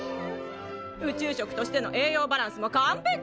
宇宙食としての栄養バランスもかんぺき！